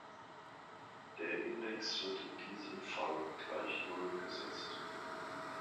Der Index wird in diesem Fall gleich Null gesetzt.